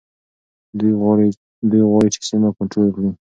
دوی غواړي چي سیمه کنټرول کړي.